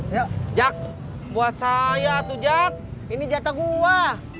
ayo jack buat saya tuh jack ini jatah gua